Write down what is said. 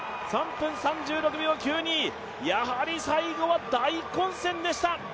３分３６秒９２、やはり最後は大混戦でした。